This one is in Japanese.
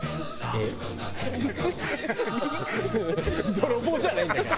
泥棒じゃないんだから！